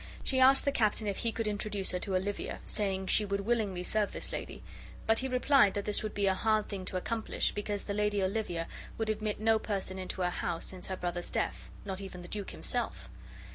She asked the captain if be could introduce her to Olivia, saying she would willingly serve this lady. But he replied this would be a hard thing to accomplish, because the Lady Olivia would admit no person into her house since her brother's death, not even the duke himself.